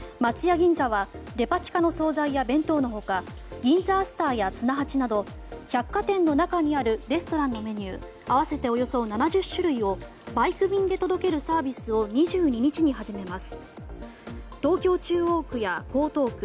銀座はデパ地下の総菜や弁当の他つな八など百貨店の中にあるレストランのメニュー合わせておよそ７０種類をバイク便で届けるサービスを２２日に始めます。